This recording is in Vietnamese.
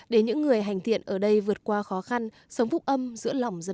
để những người bất hạnh có thể tạo ra những điều tốt đẹp